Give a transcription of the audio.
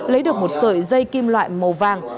lấy được một sợi dây kim loại màu vàng